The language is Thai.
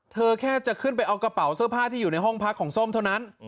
แค่จะขึ้นไปเอากระเป๋าเสื้อผ้าที่อยู่ในห้องพักของส้มเท่านั้น